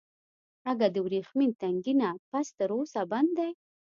اگه د ورېښمين تنګي نه پس تر اوسه بند دی.